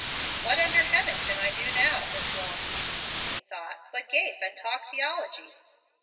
"What under heaven can I now do, this long evening," he thought, "but gape and talk theology?"